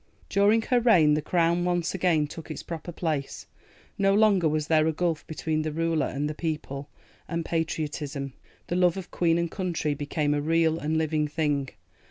During her reign the Crown once again took its proper place: no longer was there a gulf between the Ruler and the People, and Patriotism, the love of Queen and Country, became a real and living thing.